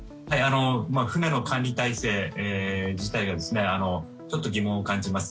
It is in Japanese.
船の管理体制自体にちょっと疑問を感じます。